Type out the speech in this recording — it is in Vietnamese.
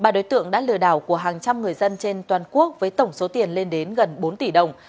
ba đối tượng đã lừa đảo của hàng trăm người dân trên toàn quốc với tổng số tiền lên đến gần bốn tỷ đồng